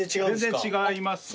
全然違いますね。